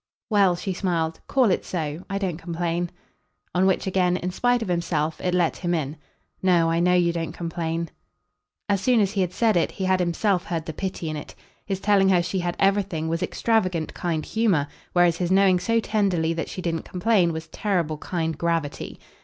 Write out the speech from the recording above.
"Well," she smiled, "call it so. I don't complain." On which again, in spite of himself, it let him in. "No I know you don't complain." As soon as he had said it he had himself heard the pity in it. His telling her she had "everything" was extravagant kind humour, whereas his knowing so tenderly that she didn't complain was terrible kind gravity.